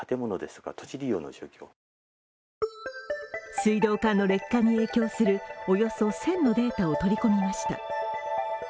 水道管の劣化に影響するおよそ１０００のデータを取り込みました。